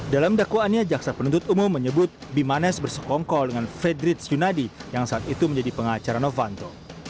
dalam dakwaannya jaksa penuntut umum menyebut bimane bersokongkol dengan fedrit sunadi yang saat itu menjadi pengacara novanto